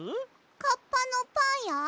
カッパのパンや？